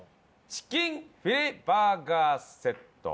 チキンフィレバーガーセット